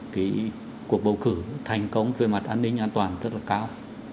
cái cuộc bầu cử thành công về mặt an ninh an toàn rất là cao